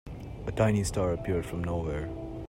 A tiny star appeared from nowhere.